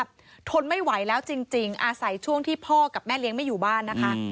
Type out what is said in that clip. คนนี้บอกว่าทนไม่ไหวแล้วจริงจริงอาศัยช่วงที่พอกับแม่เลี้ยงไม่อยู่บ้านนะคะ